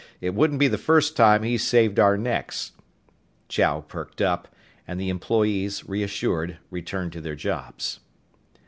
It wouldn't be the first time he's saved our necks!" Chow perked up, and the employees, reassured, returned to their jobs.